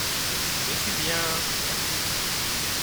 Je suis bien, merci !